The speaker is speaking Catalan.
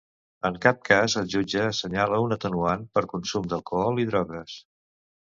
En cap cas el jutge assenyala un atenuant per consum d'alcohol i drogues.